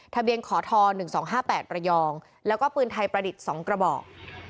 ทะเบียนขอท๑๒๕๘ประยองแล้วก็ปืนไทยประดิษฐ์๒กระบอก